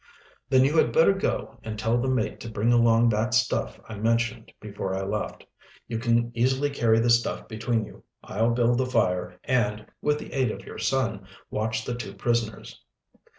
"Then you had better go and tell the mate to bring along that stuff I mentioned before I left. You can easily carry the stuff between you. I'll build the fire and, with the aid of your son, watch the two prisoners."